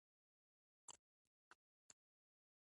په خوند يې وويل: ښاغليه! ماته اون باشي حسن قلي وايه!